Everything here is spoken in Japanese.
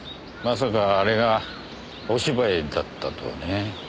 まさかあれがお芝居だったとはね。